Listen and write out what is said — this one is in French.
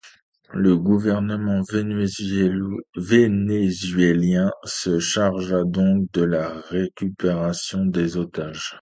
Le gouvernement vénézuélien se chargea donc de la récupération des otages.